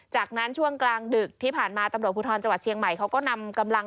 จากนั้นช่วงกลางดึกที่ผ่านมาตำรวจภูทรจังหวัดเชียงใหม่เขาก็นำกำลัง